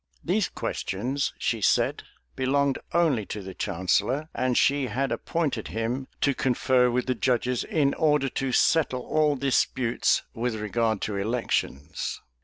These questions, she said, belonged only to the chancellor; and she had appointed him to confer with the judges, in order to settle all disputes with regard to elections.